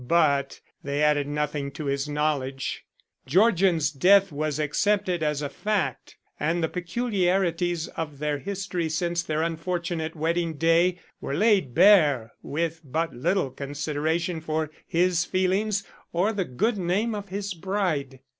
But they added nothing to his knowledge. Georgian's death was accepted as a fact, and the peculiarities of their history since their unfortunate wedding day were laid bare with but little consideration for his feelings or the good name of his bride.